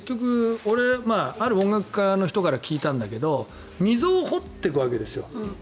ある音楽家の人から聞いたんだけど溝を掘っていくわけですよ